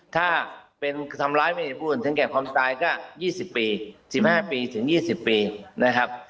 ถ้าเป็นทำร้ายเป็นเหตุผู้ศึกษ์ถึงแก่ความตายก็๒๐ปี๑๕ปีถึง๒๐ปีนะครับ